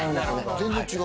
全然違う？